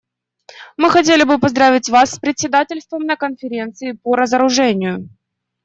Мы хотели бы поздравить вас с председательством на Конференции по разоружению.